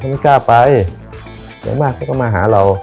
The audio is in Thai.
เขาไม่กล้าไปหรือเขาไม่กล้าไปอย่างมากเขาก็มาหาเรา